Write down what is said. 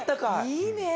いいね。